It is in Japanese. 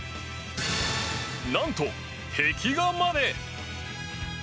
なんと、壁画まで！